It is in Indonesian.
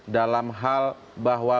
dalam hal bahwa